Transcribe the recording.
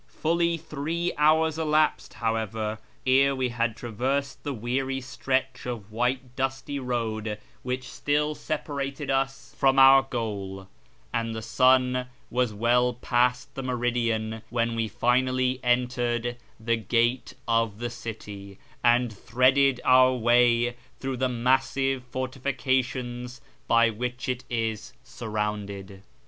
Fully three hours elapsed, however, ere we had traversed the weary stretch of white dusty road which still separated us from our 32 / YF.AR AMONGST THE PERSIANS goal ; and the sun was well past the iiieridian when we finally enteivil Ihe gate of tlie city, and threaded our way through tlio massive fortifications l)y which it is surroun(U',d.